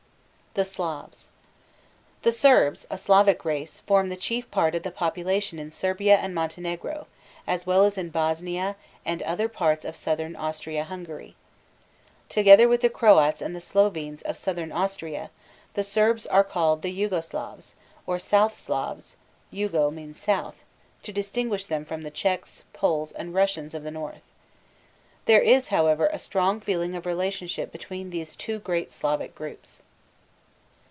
THE SLAVS. The Serbs, a Slavic race, form the chief part of the population in Serbia and Montenegro, as well as in Bosnia and other parts of southern Austria Hungary. Together with the Croats and Slovenes of southern Austria Hungary, the Serbs are called the Jugo Slavs (yoo´go slavz) or South Slavs (jugo means "south") to distinguish them from the Czechs, Poles, and Russians of the north. There is, however, a strong feeling of relationship between these two great Slavic groups.